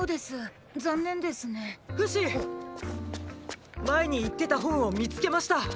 フシ！前に言ってた本を見つけました！